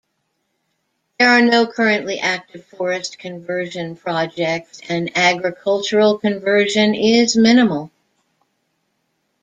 There are no currently active forest conversion projects, and agricultural conversion is minimal.